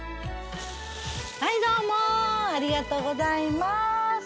はいどうもありがとうございます。